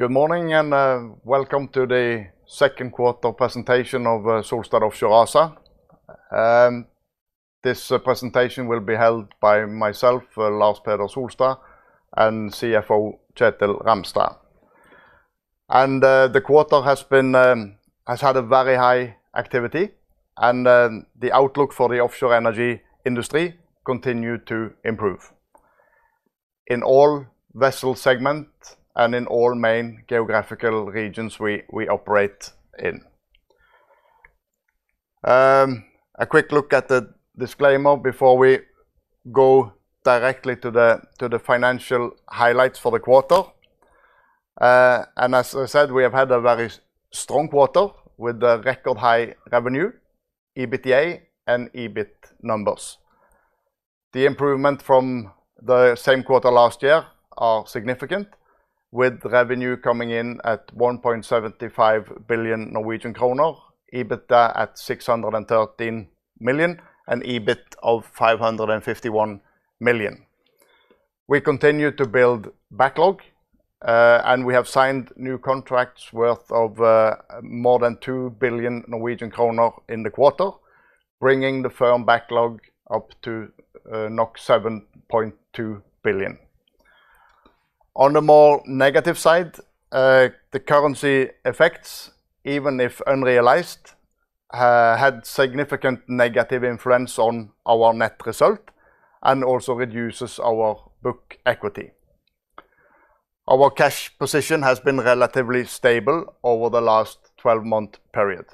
Good morning and welcome to the Second Quarter presentation of Solstad Offshore ASA. This presentation will be held by myself, Lars Peder Solstad, and CFO Kjetil Ramstad. The quarter has had a very high activity, and the outlook for the offshore energy industry continues to improve in all vessel segments and in all main geographical regions we operate in. A quick look at the disclaimer before we go directly to the financial highlights for the quarter. As I said, we have had a very strong quarter with record high revenue, EBITDA, and EBIT numbers. The improvements from the same quarter last year are significant, with revenue coming in at 1.75 billion Norwegian kroner, EBITDA at 613 million, and EBIT of 551 million. We continue to build backlog, and we have signed new contracts worth more than 2 billion Norwegian kroner in the quarter, bringing the firm backlog up to 7.2 billion. On the more negative side, the currency effects, even if unrealized, had a significant negative influence on our net result and also reduces our book equity. Our cash position has been relatively stable over the last 12-month period.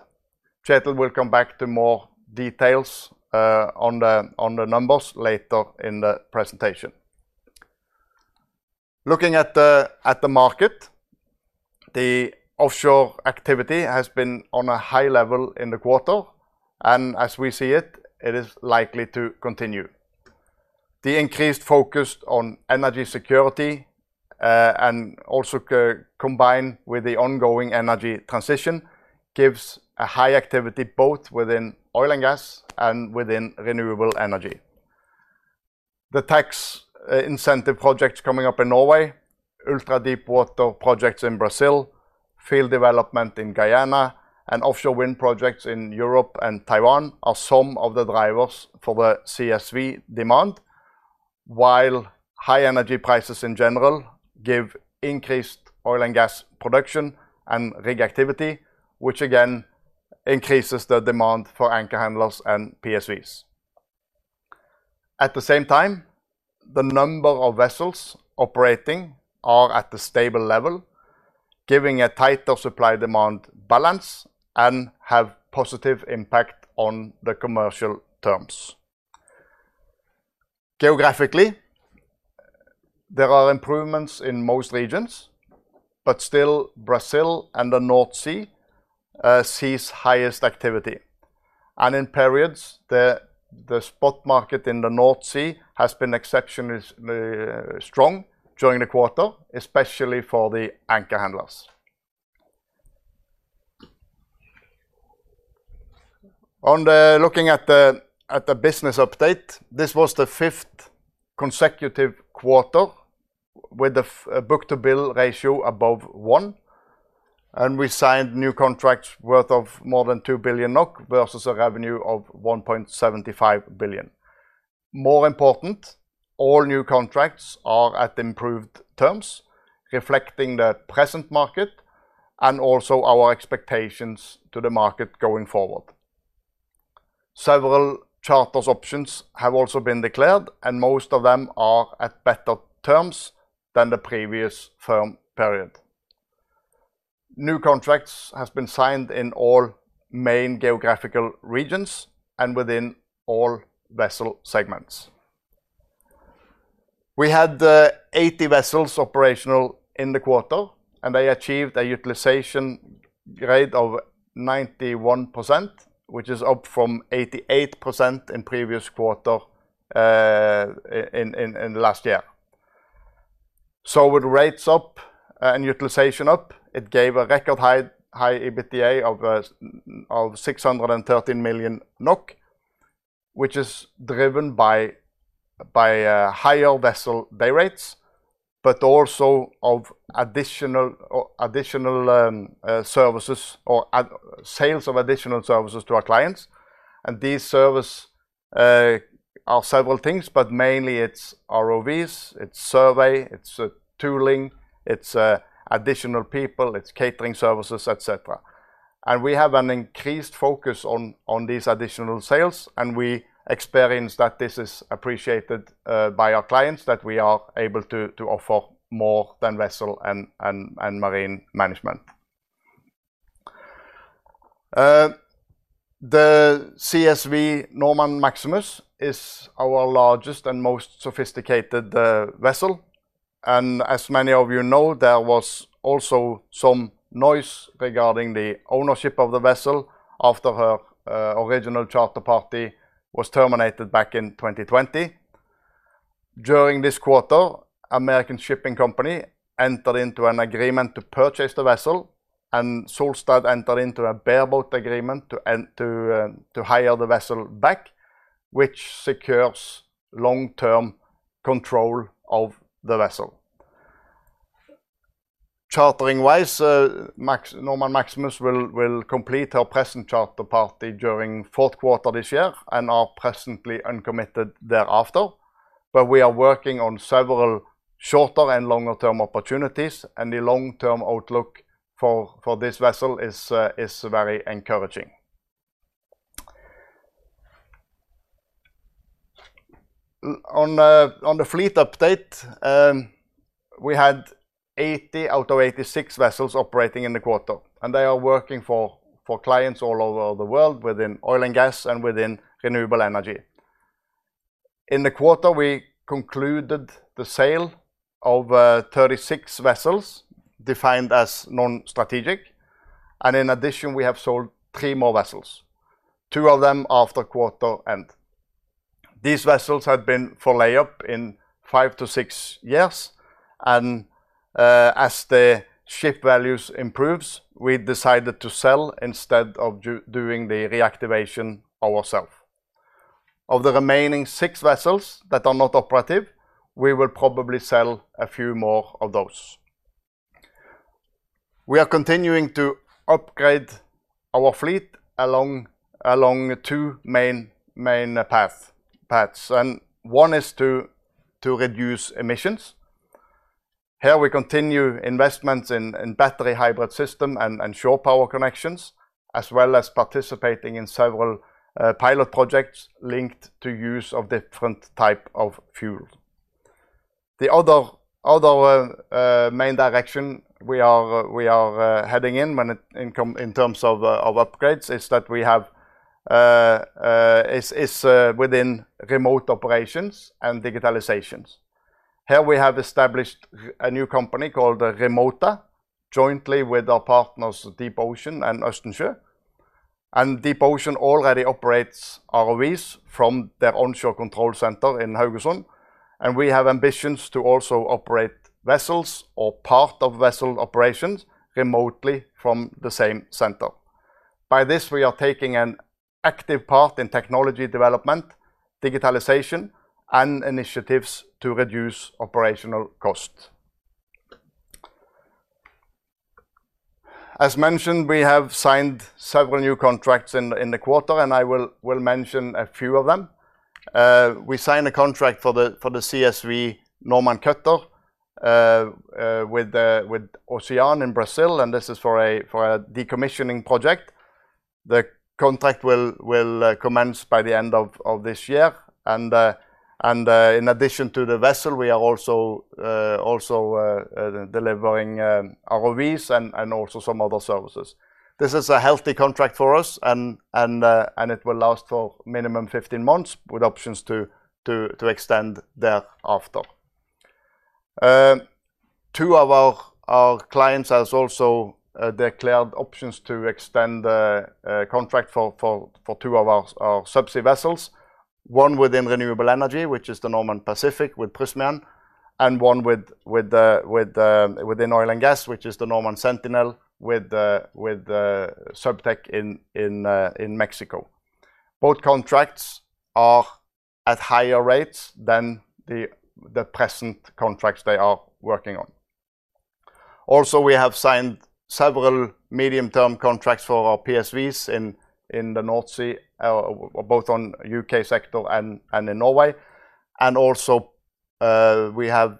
Kjetil will come back to more details on the numbers later in the presentation. Looking at the market, the offshore activity has been on a high level in the quarter, and as we see it, it is likely to continue. The increased focus on energy security and also combined with the ongoing energy transition gives a high activity both within oil and gas and within renewable energy. The tax incentive projects coming up in Norway, ultra-deepwater projects in Brazil, field development in Guyana, and offshore wind projects in Europe and Taiwan are some of the drivers for the CSV demand, while high energy prices in general give increased oil and gas production and rig activity, which again increases the demand for anchor handlers and PSVs. At the same time, the number of vessels operating is at a stable level, giving a tighter supply-demand balance and has a positive impact on the commercial terms. Geographically, there are improvements in most regions, but still Brazil and the North Sea see the highest activity. In periods, the spot market in the North Sea has been exceptionally strong during the quarter, especially for the anchor handlers. Looking at the business update, this was the fifth consecutive quarter with the book-to-bill ratio above one, and we signed new contracts worth more than 2 billion NOK versus a revenue of 1.75 billion. More important, all new contracts are at improved terms, reflecting the present market and also our expectations to the market going forward. Several charter options have also been declared, and most of them are at better terms than the previous firm period. New contracts have been signed in all main geographical regions and within all vessel segments. We had 80 vessels operational in the quarter, and they achieved a utilization rate of 91%, which is up from 88% in the previous quarter in the last year. With rates up and utilization up, it gave a record high EBITDA of 613 million NOK, which is driven by higher vessel day rates, but also additional services, or sales of additional services to our clients. These services are several things, but mainly it's ROVs, it's survey, it's tooling, it's additional people, it's catering services, etc. We have an increased focus on these additional sales, and we experience that this is appreciated by our clients that we are able to offer more than vessel and marine management. The CSV Normand Maximus is our largest and most sophisticated vessel. As many of you know, there was also some noise regarding the ownership of the vessel after her original charter party was terminated back in 2020. During this quarter, American Shipping Company entered into an agreement to purchase the vessel, and Solstad entered into a bare boat agreement to hire the vessel back, which secures long-term control of the vessel. Chartering-wise, Normand Maximus will complete her present charter party during the fourth quarter this year and is presently uncommitted thereafter, but we are working on several shorter and longer-term opportunities, and the long-term outlook for this vessel is very encouraging. On the fleet update, we had 80 out of 86 vessels operating in the quarter, and they are working for clients all over the world within oil and gas and within renewable energy. In the quarter, we concluded the sale of 36 vessels defined as non-strategic, and in addition, we have sold three more vessels, two of them after quarter end. These vessels have been for layup in five to six years, and as the ship values improve, we decided to sell instead of doing the reactivation ourselves. Of the remaining six vessels that are not operative, we will probably sell a few more of those. We are continuing to upgrade our fleet along two main paths, and one is to reduce emissions. Here, we continue investments in battery hybrid systems and shore power connections, as well as participating in several pilot projects linked to the use of different types of fuel. The other main direction we are heading in in terms of upgrades is that we have as ASA within remote operations and digitalization. Here, we have established a new company called Remota, jointly with our partners DeepOcean and Østensjø. DeepOcean already operates ROVs from their onshore control center in Haugesund, and we have ambitions to also operate vessels or part of vessel operations remotely from the same center. By this, we are taking an active part in technology development, digitalization, and initiatives to reduce operational costs. As mentioned, we have signed several new contracts in the quarter, and I will mention a few of them. We signed a contract for the CSV Normand Cutter with Ocean in Brazil, and this is for a decommissioning project. The contract will commence by the end of this year, and in addition to the vessel, we are also delivering ROVs and also some other services. This is a healthy contract for us, and it will last for a minimum of 15 months with options to extend thereafter. Two of our clients have also declared options to extend the contract for two of our subsea vessels, one within renewable energy, which is the Normand Pacific with Prysmian, and one within oil and gas, which is the Normand Sentinel with Subtech in Mexico. Both contracts are at higher rates than the present contracts they are working on. Also, we have signed several medium-term contracts for our PSVs in the North Sea, both on the UK sector and in Norway, and also we have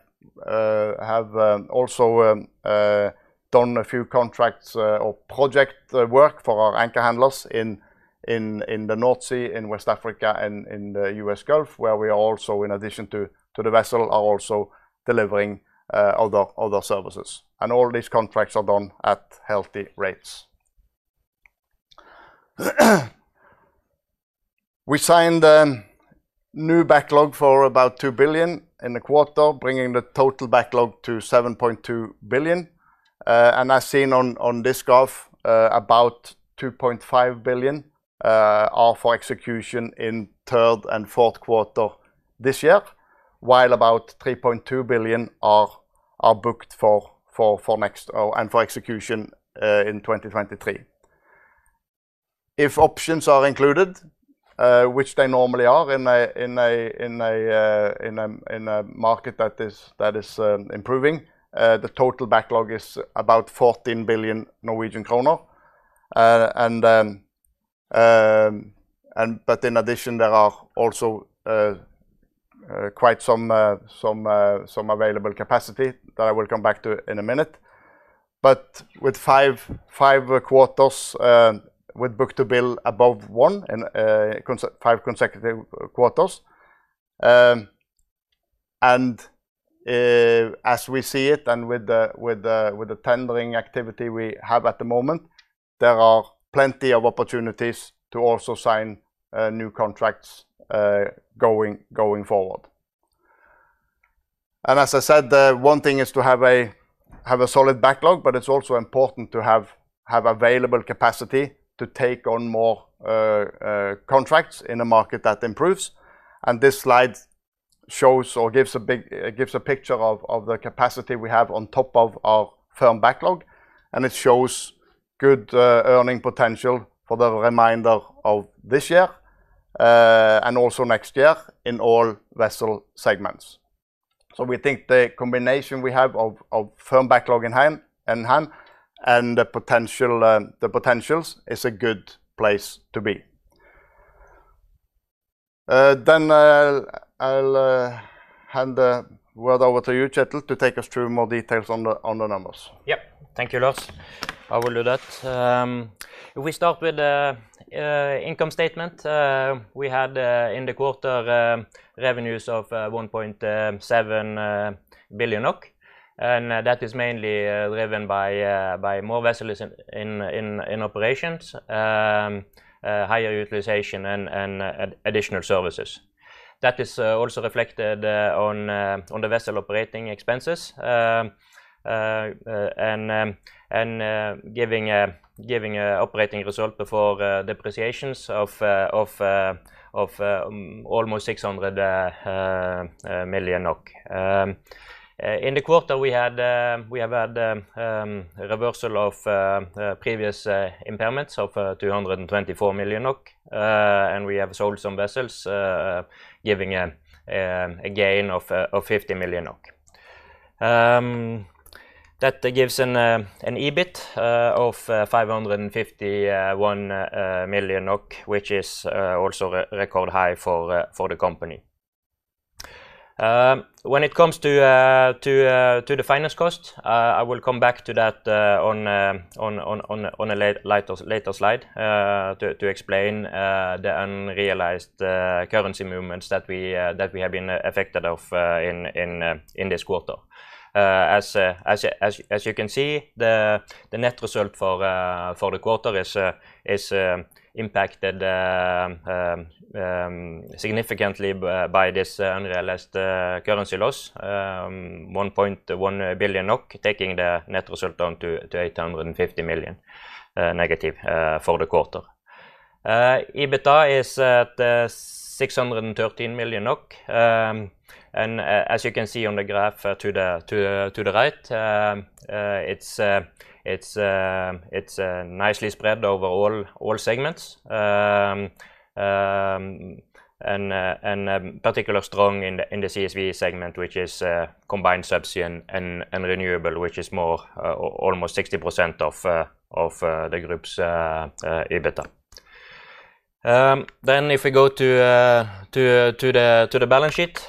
done a few contracts or project work for our anchor handlers in the North Sea, in West Africa, and in the U.S. Gulf, where we are also, in addition to the vessel, also delivering other services. All these contracts are done at healthy rates. We signed a new backlog for about 2 billion in the quarter, bringing the total backlog to 7.2 billion, and as seen on this graph, about 2.5 billion are for execution in the third and fourth quarter this year, while about 3.2 billion are booked for next and for execution in 2023. If options are included, which they normally are in a market that is improving, the total backlog is about 14 billion Norwegian kroner. In addition, there are also quite some available capacity that I will come back to in a minute. With five quarters with book-to-bill above one in five consecutive quarters, and as we see it and with the tendering activity we have at the moment, there are plenty of opportunities to also sign new contracts going forward. As I said, one thing is to have a solid backlog, but it's also important to have available capacity to take on more contracts in a market that improves. This slide shows or gives a picture of the capacity we have on top of our firm backlog, and it shows good earning potential for the remainder of this year and also next year in all vessel segments. We think the combination we have of firm backlog in hand and the potentials is a good place to be. I'll hand the word over to you, Kjetil, to take us through more details on the numbers. Thank you, Lars. I will do that. If we start with the income statement, we had in the quarter revenues of 1.7 billion, and that is mainly driven by more vessels in operations, higher utilization, and additional services. That is also reflected on the vessel operating expenses and giving operating result before depreciations of almost 600 million. In the quarter, we have had a reversal of previous impairments of 224 million NOK, and we have sold some vessels, giving a gain of 50 million. That gives an EBIT of 551 million NOK, which is also a record high for the company. When it comes to the finance cost, I will come back to that on a later slide to explain the unrealized currency movements that we have been affected of in this quarter. As you can see, the net result for the quarter is impacted significantly by this unrealized currency loss, 1.1 billion NOK, taking the net result on to 850 million negative for the quarter. EBITDA is at 613 million NOK, and as you can see on the graph to the right, it's nicely spread over all segments, and particularly strong in the CSV segment, which is combined subsea and renewable, which is almost 60% of the group's EBITDA. If we go to the balance sheet,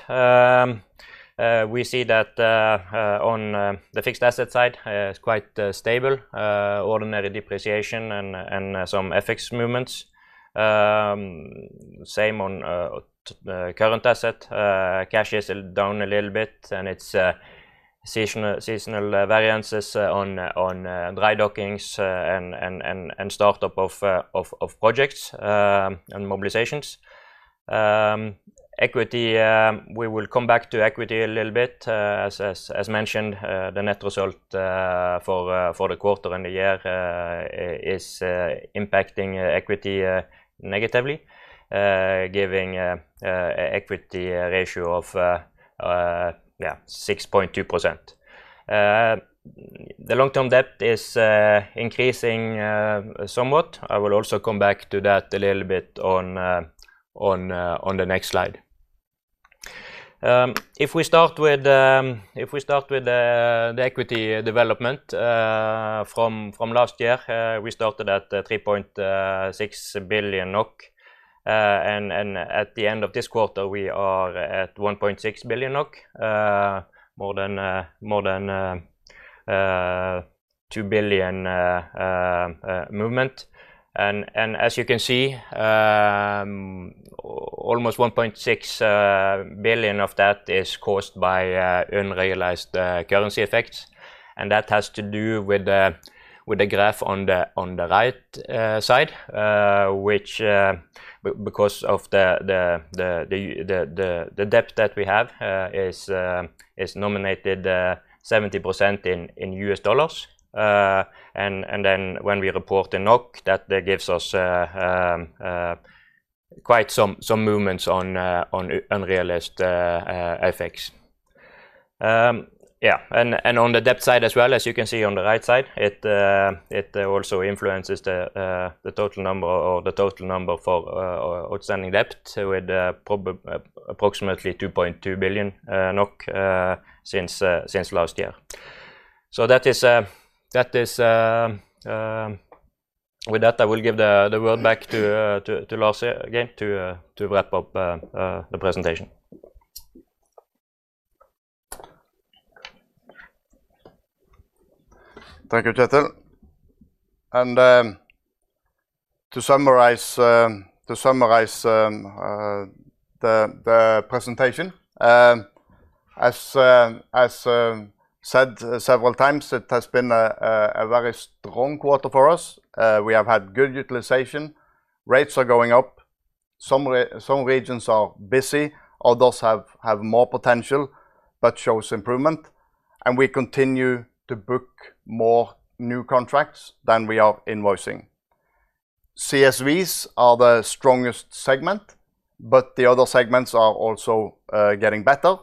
we see that on the fixed asset side, it's quite stable, ordinary depreciation and some FX movements. Same on current asset, cash is down a little bit, and it's seasonal variances on dry dockings and startup of projects and mobilizations. Equity, we will come back to equity a little bit. As mentioned, the net result for the quarter and the year is impacting equity negatively, giving an equity ratio of 6.2%. The long-term debt is increasing somewhat. I will also come back to that a little bit on the next slide. If we start with the equity development from last year, we started at 3.6 billion NOK, and at the end of this quarter, we are at 1.6 billion NOK, more than 2 billion movement. As you can see, almost 1.6 billion of that is caused by unrealized currency effects, and that has to do with the graph on the right side, which because of the debt that we have is nominated 70% in U.S. dollars. When we report in NOK, that gives us quite some movements on unrealized FX. On the debt side as well, as you can see on the right side, it also influences the total number or the total number for outstanding debt with approximately 2.2 billion NOK since last year. With that, I will give the word back to Lars again to wrap up the presentation. Thank you, Kjetil. To summarize the presentation, as said several times, it has been a very strong quarter for us. We have had good utilization. Rates are going up. Some regions are busy. Others have more potential, but shows improvement. We continue to book more new contracts than we are invoicing. CSVs are the strongest segment, but the other segments are also getting better,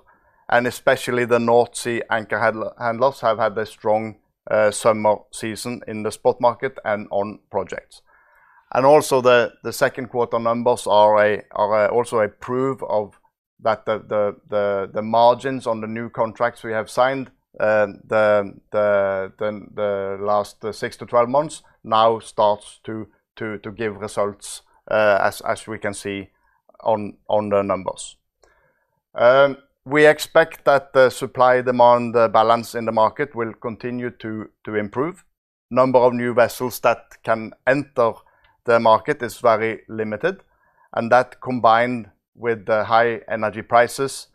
and especially the North Sea anchor handlers have had a strong summer season in the spot market and on projects. Also, the second quarter numbers are also a proof that the margins on the new contracts we have signed the last 6-12 months now start to give results, as we can see on the numbers. We expect that the supply-demand balance in the market will continue to improve. The number of new vessels that can enter the market is very limited, and that combined with the high energy prices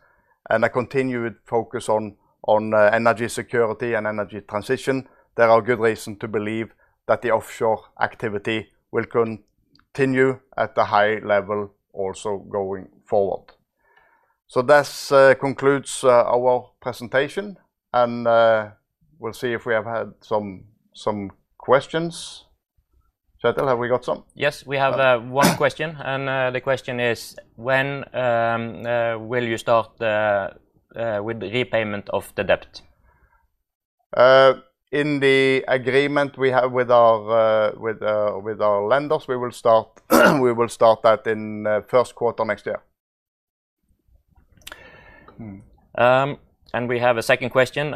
and a continued focus on energy security and energy transition, there are good reasons to believe that the offshore activity will continue at a high level also going forward. This concludes our presentation, and we'll see if we have had some questions. Kjetil, have we got some? Yes, we have one question, and the question is, when will you start with the repayment of the debt? In the agreement we have with our lenders, we will start that in the first quarter next year. We have a second question.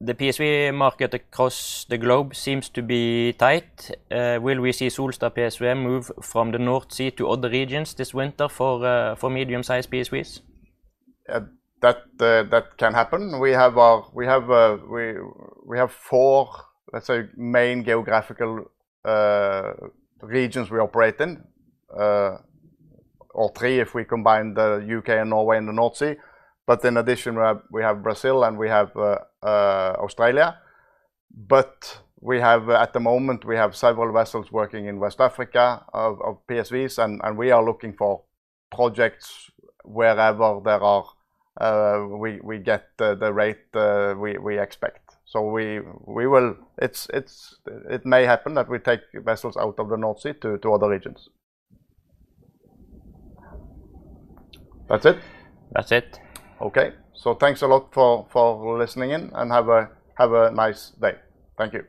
The PSV market across the globe seems to be tight. Will we see Solstad PSV move from the North Sea to other regions this winter for medium-sized PSVs? That can happen. We have four, let's say, main geographical regions we operate in, or three if we combine the UK and Norway in the North Sea. In addition, we have Brazil and we have Australia. At the moment, we have several vessels working in West Africa of PSVs, and we are looking for projects wherever we get the rate we expect. It may happen that we take vessels out of the North Sea to other regions. That's it? That's it. Okay, thanks a lot for listening in and have a nice day. Thank you.